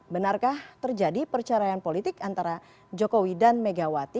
benarkah terjadi perceraian politik antara jokowi dan megawati